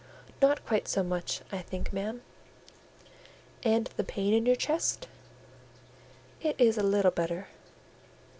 "Not quite so much, I think, ma'am." "And the pain in your chest?" "It is a little better."